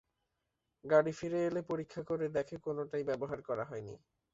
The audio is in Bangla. গাড়ি ফিরে এলে পরীক্ষা করে দেখে কোনোটাই ব্যবহার করা হয় নি।